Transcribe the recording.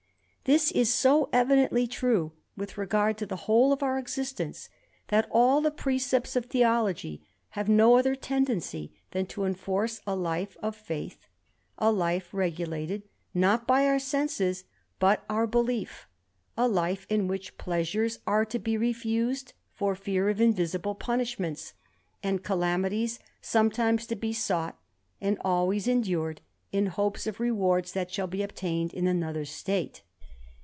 This is so evidently true with regard to the whole of our existence, that all the precepts of theology have no other tendency than to enforce a life ot faith ; a life regulated not by our senses but our belief ; a life in which pleasures are to be refused for fear of invisible punishments, and calamities sometimes to be sought, and always endured, in hopes of rewards that shall be obtained in another state.